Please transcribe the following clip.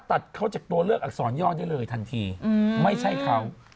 ตัดเขาจากตัวเลือกอักษรย่อได้เลยทันทีไม่ใช่เขา